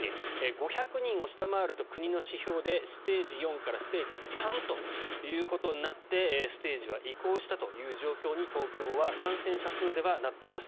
５００人を下回ると国の指標でステージ４からステージ３ということになってステージは移行したという状況に東京は感染者数ではなっています。